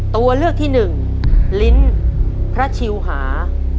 ตัวเลือกที่๑ลิ้นพระชิวหา